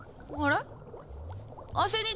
あれ？